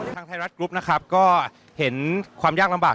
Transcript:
ทางไทยรัฐกรุ๊ปนะครับก็เห็นความยากลำบาก